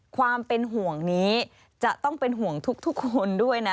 ความเป็นห่วงนี้จะต้องเป็นห่วงทุกคนด้วยนะ